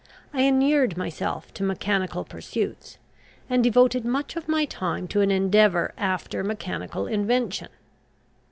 I inured myself to mechanical pursuits, and devoted much of my time to an endeavour after mechanical invention.